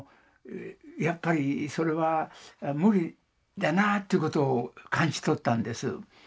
やっぱりそれは無理だなぁということを感じ取ったんです。